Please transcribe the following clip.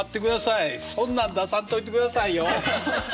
そんなん出さんといてくださいよ。